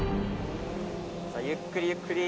ゆっくりゆっくり。